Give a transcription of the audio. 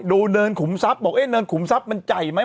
เนินขุมทรัพย์บอกเอ๊ะเนินขุมทรัพย์มันใหญ่ไหม